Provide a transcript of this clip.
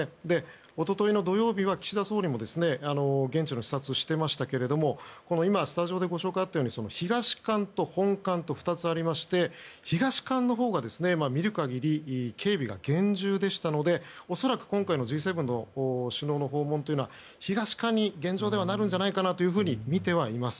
一昨日の土曜日は岸田総理も現地を視察していましたけれども今、スタジオでご紹介があったように東館と本館の２つありまして東館のほうが、見る限り警備が厳重でしたので恐らく今回のＧ７の首脳の訪問というのは現状、東館になるのではないかと見てはいます。